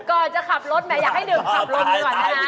ก่อนจะขับรถอยากให้ดื่มขับรถก่อนนะ